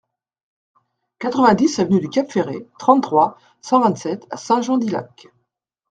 quatre-vingt-dix avenue du Cap Ferret, trente-trois, cent vingt-sept à Saint-Jean-d'Illac